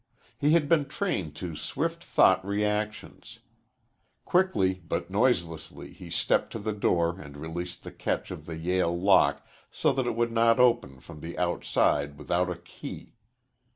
He had been trained to swift thought reactions. Quickly but noiselessly he stepped to the door and released the catch of the Yale lock so that it would not open from the outside without a key.